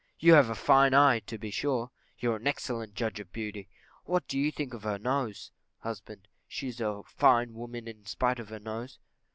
_ You have a fine eye, to be sure; you're an excellent judge of beauty; what do you think of her nose? Husband. She's a fine woman in spite of her nose.